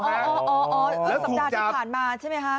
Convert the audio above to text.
อ๋ออ๋อสัปดาห์ที่ผ่านมาใช่ไหมครับ